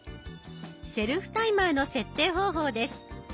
セルフタイマーの設定方法です。